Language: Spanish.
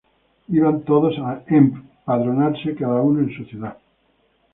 Iban todos a emp"adronarse, cada uno a su ciudad.